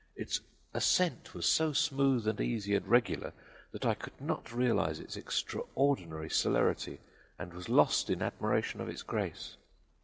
Its ascent was so smooth and easy and regular that I could not realize its extraordinary celerity, and was lost in admiration of its grace.